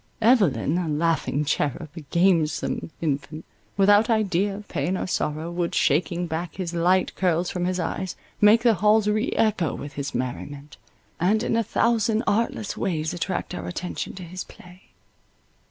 Evelyn, a laughing cherub, a gamesome infant, without idea of pain or sorrow, would, shaking back his light curls from his eyes, make the halls re echo with his merriment, and in a thousand artless ways attract our attention to his play.